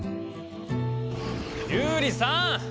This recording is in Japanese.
ユウリさん！